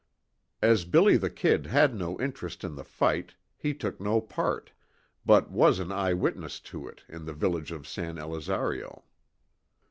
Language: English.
As "Billy the Kid" had no interest in the fight, he took no part, but was an eye witness to it, in the village of San Elizario.